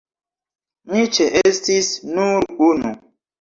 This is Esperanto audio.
Ni ĉeestis nur unu.